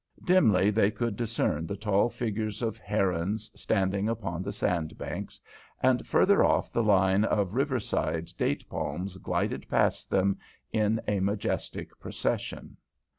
Dimly they could discern the tall figures of herons standing upon the sandbanks, and farther off the line of river side date palms glided past them in a majestic procession.